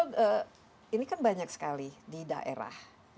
karena ini kan banyak sekali di daerah